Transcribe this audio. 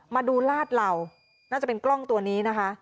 มาดูลาดเหล่าน่าจะเป็นกล้องตัวนี้นะคะ